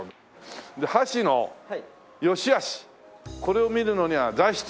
箸の良しあしこれを見るのには材質？